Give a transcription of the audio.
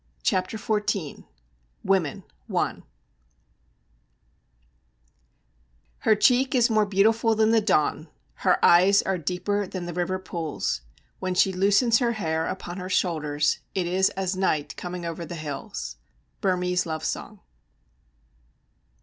CHAPTER XIV WOMEN I 'Her cheek is more beautiful than the dawn, her eyes are deeper than the river pools; when she loosens her hair upon her shoulders, it is as night coming over the hills.' _Burmese Love Song.